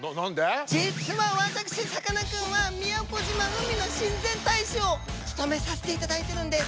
実は私さかなクンは宮古島海の親善大使を務めさせていただいてるんです。